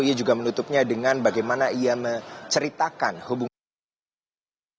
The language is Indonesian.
ia juga menutupnya dengan bagaimana ia menceritakan hubungan baik